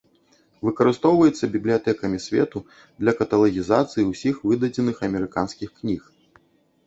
Выкарыстоўваецца бібліятэкамі свету для каталагізацыі ўсіх выдадзеных амерыканскіх кніг.